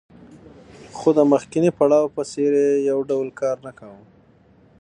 خو د مخکیني پړاو په څېر یې یو ډول کار نه کاوه